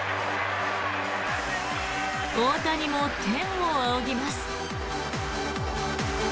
大谷も天を仰ぎます。